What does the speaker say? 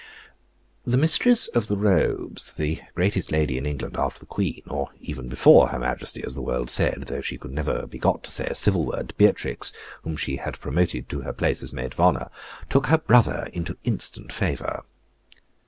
The Mistress of the Robes, the greatest lady in England after the Queen, or even before her Majesty, as the world said, though she never could be got to say a civil word to Beatrix, whom she had promoted to her place as maid of honor, took her brother into instant favor.